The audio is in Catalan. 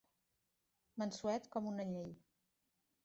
Mansuet com un anyell.